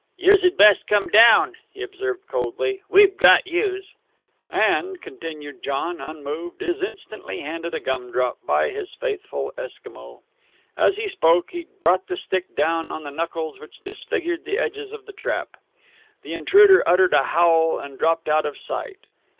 "Youse had best come down," he observed coldly. "We've got youse." "And," continued John, unmoved, "is instantly handed a gum drop by his faithful Eskimo." As he spoke, he brought the stick down on the knuckles which disfigured the edges of the trap. The intruder uttered a howl and dropped out of sight.